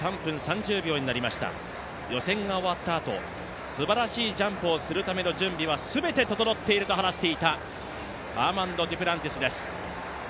予選が終わったあと、すばらしいジャンプをするための準備は全て整っていると話していたアーマンド・デュプランティスです。